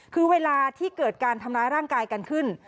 คือเวลาที่เกิดการทำร้ายร่างกายกันขึ้น